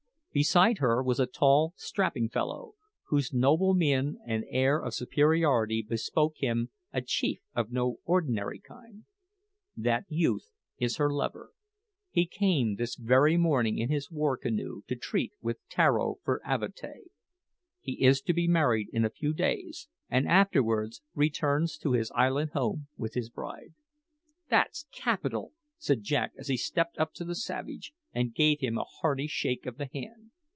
Beside her was a tall, strapping fellow, whose noble mien and air of superiority bespoke him a chief of no ordinary kind. "That youth is her lover. He came this very morning in his war canoe to treat with Tararo for Avatea. He is to be married in a few days, and afterwards returns to his island home with his bride." "That's capital!" said Jack as he stepped up to the savage and gave him a hearty shake of the hand.